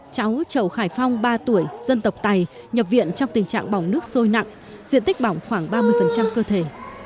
cháu chầu khải phong ba tuổi dân tộc tày nhập viện trong tình trạng bỏng nước sôi nặng diện tích bỏng khoảng ba mươi cơ thể